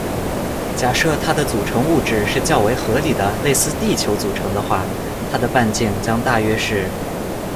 假设它的组成物质是较为合理的类似地球组成的话，它的半径将大约是。